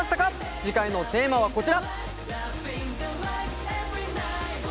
次回のテーマはこちら！